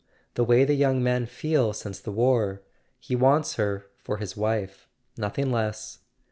The way the young men feel since the war. He wants her for his wife. Nothing less."